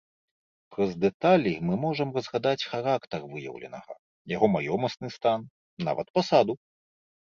Праз дэталі мы можам разгадаць характар выяўленага, яго маёмасны стан, нават пасаду.